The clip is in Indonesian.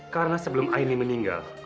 karena sebelum aini meninggal